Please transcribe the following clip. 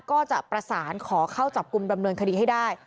ก็จะประสานขอเข้าจับกลุ่มดำเนินคดีให้ได้